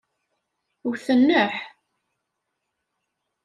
Wet nneḥ.